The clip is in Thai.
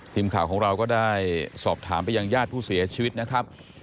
ทีมข่าวของเราก็ได้สอบถามไปยังญาติผู้เสียชีวิตนะครับ